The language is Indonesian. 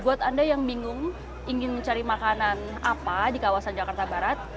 buat anda yang bingung ingin mencari makanan apa di kawasan jakarta barat